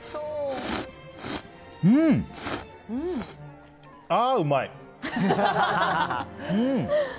うん！ああ、うまい。